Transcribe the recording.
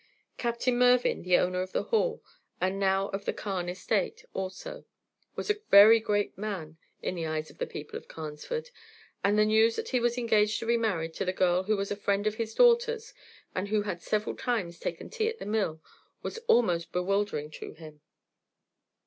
Captain Mervyn, the owner of the Hall, and now of the Carne estate also, was a very great man in the eyes of the people of Carnesford, and the news that he was engaged to be married to the girl who was a friend of his daughter's, and who had several times taken tea at the mill, was almost bewildering to him.